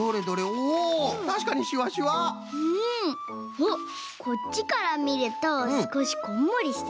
あっこっちからみるとすこしこんもりしてるね。